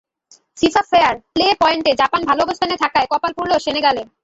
FIFA fair play পয়েন্টে Japan ভালো অবস্থানে থাকায় কপাল পুড়ল সেনেগালের।